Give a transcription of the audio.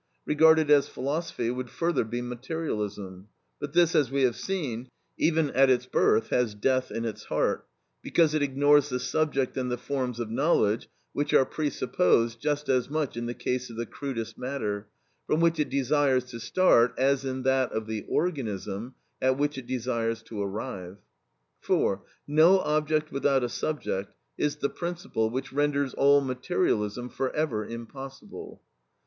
Regarded as philosophy, it would further be materialism; but this, as we have seen, even at its birth, has death in its heart, because it ignores the subject and the forms of knowledge, which are presupposed, just as much in the case of the crudest matter, from which it desires to start, as in that of the organism, at which it desires to arrive. For, "no object without a subject," is the principle which renders all materialism for ever impossible.